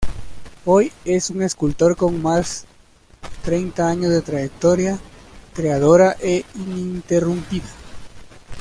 Hoy es un escultor con más treinta años de trayectoria creadora e ininterrumpida.